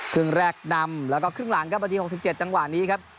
เครื่องแรกนำแล้วก็ขึ้นหลังครับประตู๖๗จังหวะนี้ครับ